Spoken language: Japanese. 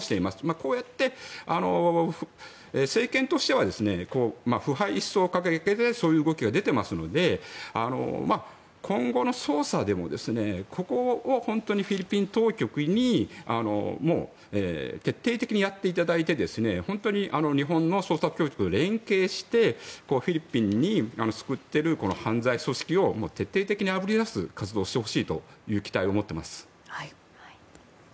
こうやって政権としては腐敗一掃を掲げてそういう動きが出ていますので今後の捜査でもここを本当にフィリピン当局に徹底的にやっていただいて本当に日本の捜査当局と連携してフィリピンにすくっている犯罪組織を徹底的にあぶり出す活動をしてほしいという期待を持っています。